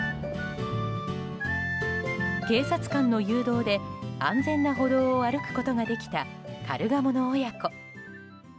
警察官の誘導で安全な歩道を歩くことができたカルガモの親子。